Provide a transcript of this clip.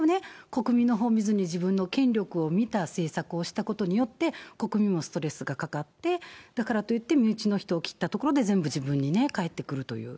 国民のほうを見ずに、自分の権力のほうを見た政策をしたことによって、国民もストレスがかかって、だからといって、身内の人を切ったところで、全部自分のところに返ってくるという。